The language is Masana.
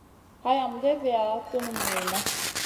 Hayam gezeya tunum niyna.